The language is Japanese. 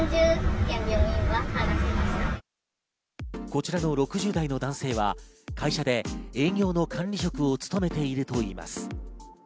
こちらの６０代の男性は会社で営業の管理職を務めているといいます。